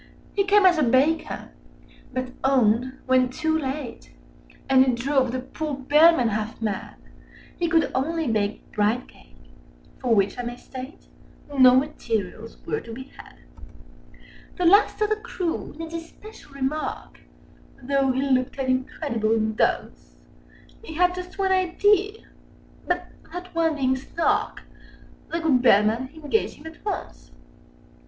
He came as a Baker: but owned, when too late— Â Â Â Â And it drove the poor Bellman half mad— He could only bake Bridecake—for which, I may state, Â Â Â Â No materials were to be had. The last of the crew needs especial remark, Â Â Â Â Though he looked an incredible dunce: He had just one idea—but, that one being "Snark," Â Â Â Â The good Bellman engaged him at once.